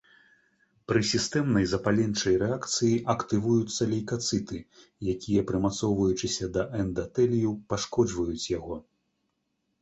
Пры сістэмнай запаленчай рэакцыі актывуюцца лейкацыты, якія прымацоўваючыся да эндатэлію пашкоджваюць яго.